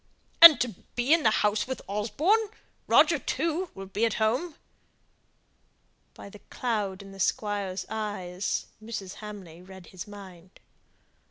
"And to be in the house with Osborne! Roger, too, will be at home." By the cloud in the Squire's eyes, Mrs. Hamley read his mind.